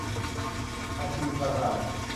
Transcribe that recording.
อัคคีปราการ